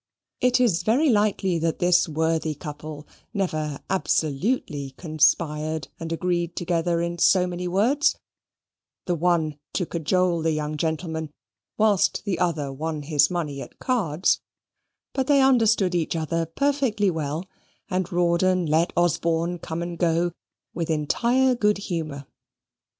It is very likely that this worthy couple never absolutely conspired and agreed together in so many words: the one to cajole the young gentleman, whilst the other won his money at cards: but they understood each other perfectly well, and Rawdon let Osborne come and go with entire good humour.